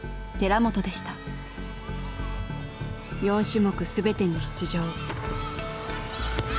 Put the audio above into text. ４種目全てに出場。